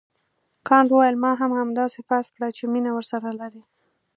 کانت وویل ما هم همداسې فرض کړه چې مینه ورسره لرې.